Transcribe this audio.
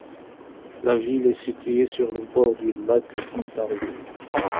La ville est située sur le bord du Lac Ontario.